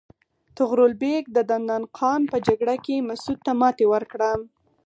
طغرل بیګ د دندان قان په جګړه کې مسعود ته ماتې ورکړه.